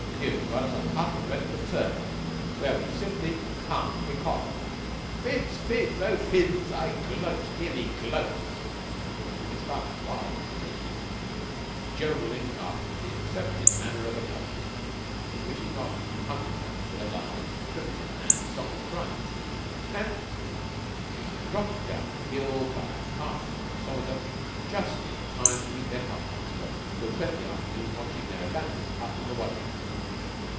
You've got us a hut for the rest of the term, where we simply can't be collared. Fids! Fids! Oh, Fids! I gloat! Hear me gloat!" They spun wildly on their heels, jodeling after the accepted manner of a "gloat," which is not unremotely allied to the primitive man's song of triumph, and dropped down the hill by the path from the gasometer just in time to meet their house master, who had spent the afternoon watching their abandoned hut in the "wuzzy."